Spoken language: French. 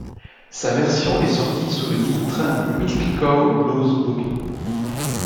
Sa version est sortie sous le titre Milkcow Blues Boogie.